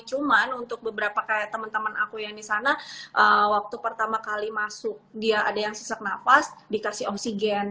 cuman untuk beberapa kayak temen temen aku yang di sana waktu pertama kali masuk dia ada yang sesak nafas dikasih oksigen